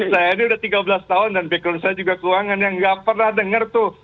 saya ini udah tiga belas tahun dan background saya juga keuangan yang gak pernah dengar tuh